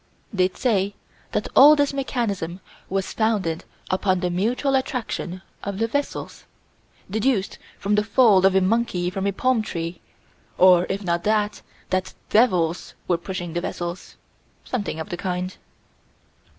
They'd say that all this mechanism was founded upon the mutual attraction of the vessels deduced from the fall of a monkey from a palm tree or, if not that, that devils were pushing the vessels something of the kind.